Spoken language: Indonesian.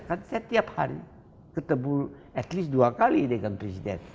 kan setiap hari ketemu at least dua kali dengan presiden